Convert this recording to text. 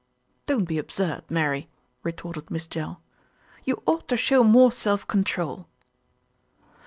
"Don't be absurd, Mary," retorted Miss Jell. "You ought to show more self control."